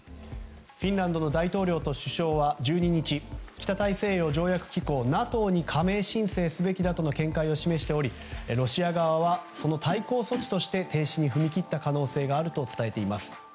フィンランドの大統領と首相は１２日北大西洋条約機構・ＮＡＴＯに加盟申請すべきだという見解を示しておりロシア側はその対抗措置として停止に踏み切った可能性があると伝えています。